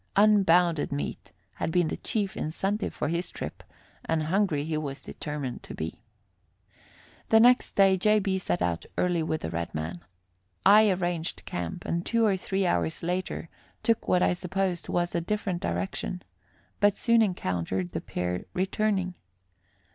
Unbounded meat had been the chief incentive for his trip, and hungry he was determined to be. The next day J. B. set out early with the red man. I arranged camp, and two or three hours later took what I supposed was a different direction, but soon encountered the pair returning.